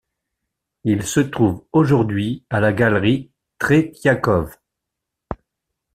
Il se trouve aujourd'hui à la Galerie Tretiakov.